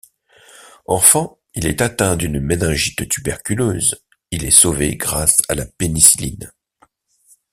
Enfant, il est atteint d'une méningite tuberculeuse, il est sauvé grâce à la pénicilline.